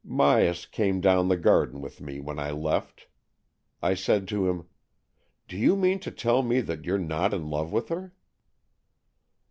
Myas came down the garden with me when I left. I said to him :" Do you mean to tell me that you're not in love with her